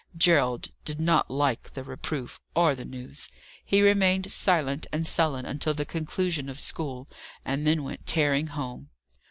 Gerald did not like the reproof, or the news. He remained silent and sullen until the conclusion of school, and then went tearing home.